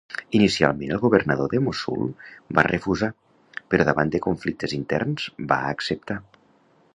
Inicialment el governador de Mossul va refusar, però davant de conflictes interns va acceptar.